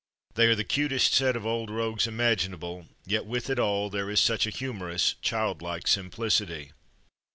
They are the 'cutest set of old rogues imaginable, yet with it all there is such a humorous, childlike simplicity.